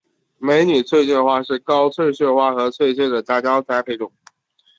美女翠雀花是高翠雀花和翠雀的杂交栽培种。